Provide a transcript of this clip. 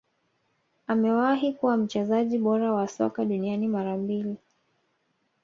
Amewahi kuwa mchezaji bora wa soka duniani mara mbili